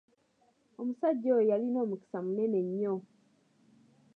Omusajja oyo yalina omukisa munene nnyo.